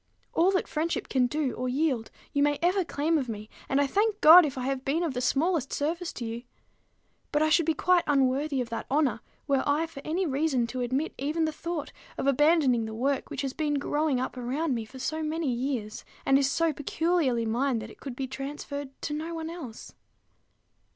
All that friendship can do or yield, you may ever claim of me; and I thank God if I have been of the smallest service to you: but I should be quite unworthy of that honor, were I for any reason to admit even the thought of abandoning the work which has been growing up around me for so many years, and is so peculiarly mine that it could be transferred to no one else.